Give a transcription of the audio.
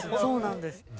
そうなんです。